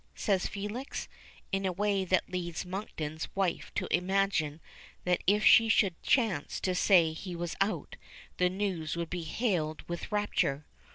says Felix, in a way that leads Monkton's wife to imagine that if she should chance to say he was out, the news would be hailed with rapture.